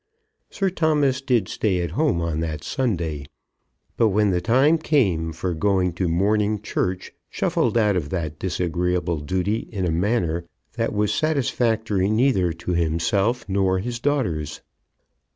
Sir Thomas did stay at home on that Sunday, but when the time came for going to morning church, shuffled out of that disagreeable duty in a manner that was satisfactory neither to himself nor his daughters.